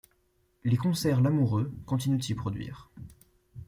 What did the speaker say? Les concerts Lamoureux continuent de s’y produire.